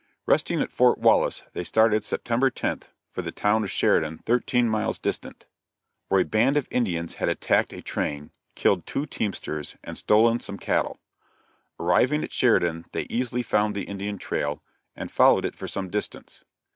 Resting at Fort Wallace, they started September 10th, for the town of Sheridan, thirteen miles distant, where a band of Indians had attacked a train, killed two teamsters, and stolen some cattle. Arriving at Sheridan they easily found the Indian trail, and followed it for some distance.